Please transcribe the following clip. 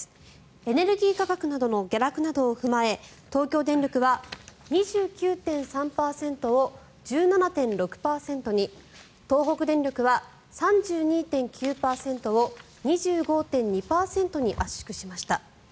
エネルギー価格などの下落などを踏まえ、東京電力は２９．３％を１７．６％に東北電力は３２．９％を２５．２％に圧縮しました。